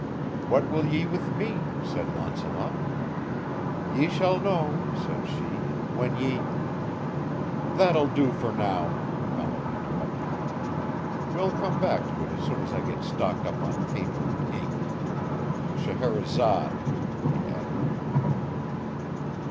What will ye with me? said Launcelot. Ye shall know, said she, when ye " "That'll do for now," Mallory interrupted. "We'll come back to it as soon as I get stocked up on paper and ink. Scheherazade," he added.